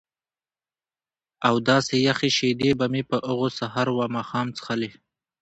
او داسې یخې شیدې به مې په هغو سهار و ماښام څښلې.